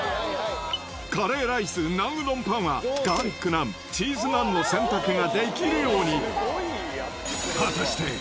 カレーライスナンうどんパンは、ガーリックナン、チーズナンの選択ができるように。